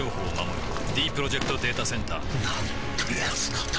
ディープロジェクト・データセンターなんてやつなんだ